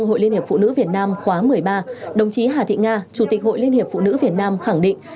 hội liên hiệp phụ nữ việt nam khóa một mươi ba đồng chí hà thị nga chủ tịch hội liên hiệp phụ nữ việt nam khẳng định